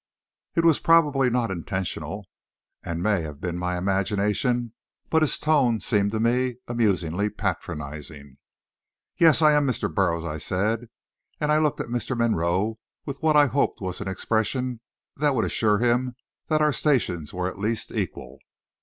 It was probably not intentional, and may have been my imagination, but his tone seemed to me amusingly patronizing. "Yes, I am Mr. Burroughs," I said, and I looked at Mr. Monroe with what I hoped was an expression that would assure him that our stations were at least equal.